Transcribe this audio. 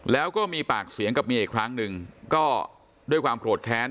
แล้วก็มีปากเสียงกับเมียอีกครั้งหนึ่งก็ด้วยความโกรธแค้น